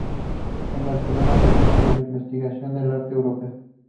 En Barcelona, descubre la investigación del arte europeo.